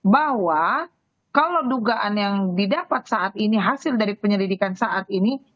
bahwa kalau dugaan yang didapat saat ini hasil dari penyelidikan saat ini